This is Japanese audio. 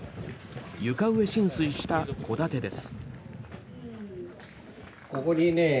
床上浸水した戸建てです。